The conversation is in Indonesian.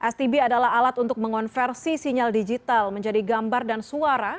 stb adalah alat untuk mengonversi sinyal digital menjadi gambar dan suara